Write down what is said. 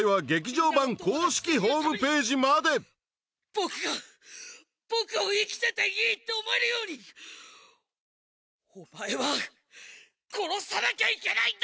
僕が僕を生きてていいって思えるようにお前は殺さなきゃいけないんだ！